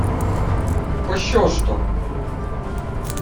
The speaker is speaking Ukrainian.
— Пощо ж то?